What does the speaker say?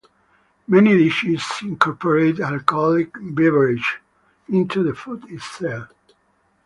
Many dishes incorporate alcoholic beverages into the food itself.